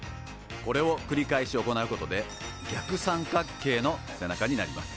これをくり返し行うことで逆三角形の背中になります。